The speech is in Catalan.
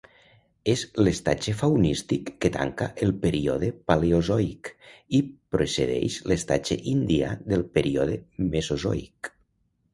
És l'estatge faunístic que tanca el període Paleozoic i precedeix l'estatge Indià del període Mesozoic.